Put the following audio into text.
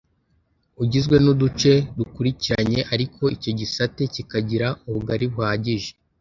ugizwe n'uduce dukulikiranye ariko icyo gisate kikagira ubugari buhagije